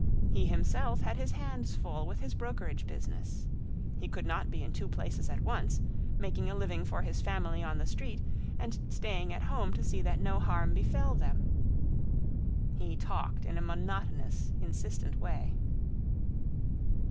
He himself had his hands full with his brokerage business. He could not be in two places at once; making a living for his family on the street, and staying at home to see that no harm befell them. He talked in a monotonous, insistent way.